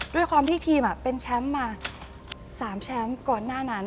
ด้วยความที่ทีมเป็นแชมป์มา๓แชมป์ก่อนหน้านั้น